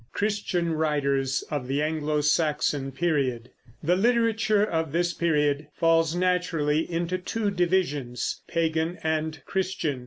CHRISTIAN WRITERS OF THE ANGLO SAXON PERIOD The literature of this period falls naturally into two divisions, pagan and Christian.